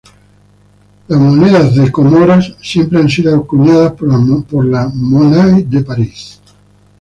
Las monedas de Comoras siempre han sido acuñadas por la "Monnaie de París".